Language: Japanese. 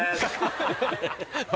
ハハハハ！